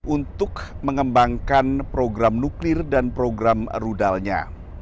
untuk mengembangkan program nuklir dan program rudalnya